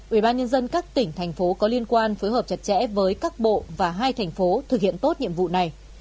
ubnd các tỉnh thành phố có liên quan phối hợp chặt chẽ với các bộ và hai thành phố thực hiện tốt nhiệm vụ này